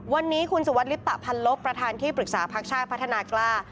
วันนี้คุณสุวัสดิลิปตะพันลบประธานที่ปรึกษาพักชาติพัฒนากล้า